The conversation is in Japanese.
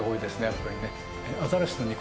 やっぱりね。